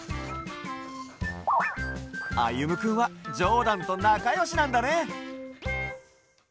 あゆむくんはジョーダンとなかよしなんだね！